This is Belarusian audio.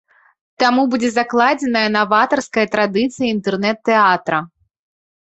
Таму будзе закладзеная наватарская традыцыя інтэрнэт-тэатра.